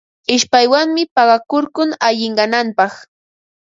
Ishpaywanmi paqakurkun allinyananpaq.